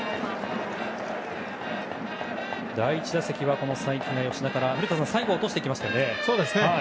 第１打席は才木が吉田から最後は落としていきました。